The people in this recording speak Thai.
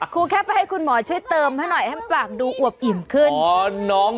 ครูแค่ไปให้คุณหมอช่วยเติมให้หน่อยให้ปากดูอวบอิ่มขึ้น